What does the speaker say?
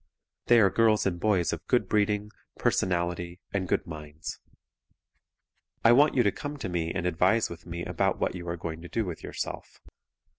They are girls and boys of good breeding, personality and good minds. I want you to come to me and advise with me about what you are going to do with yourself.